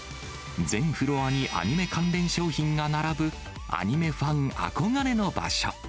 全フロアにアニメ関連商品が並ぶ、アニメファン憧れの場所。